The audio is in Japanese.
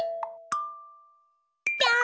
ぴょん！